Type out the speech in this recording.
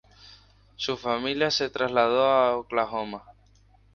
Su familia se trasladó a Oklahoma.